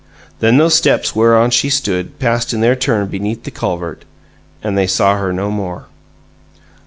Then those steps whereon she stood passed in their turn beneath the culvert, and they saw her no more.